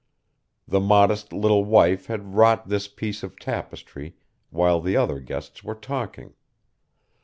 The modest little wife had wrought this piece of tapestry while the other guests were talking.